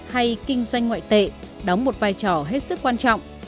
hay kinh doanh ngoại tệ đóng một vai trò hết sức quan trọng